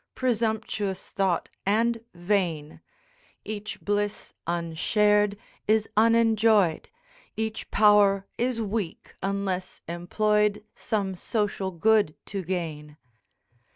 Presumptuous thought and vain Each bliss unshared is unenjoyed, Each power is weak unless employed Some social good to gain.